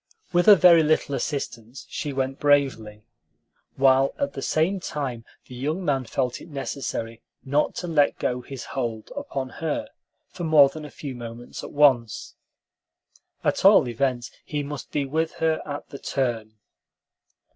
With a very little assistance she went bravely, while at the same time the young man felt it necessary not to let go his hold upon her for more than a few moments at once. At all events, he must be with her at the turn.